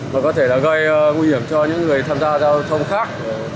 mà có thể là gây nguy hiểm cho những người tham gia giao thông khác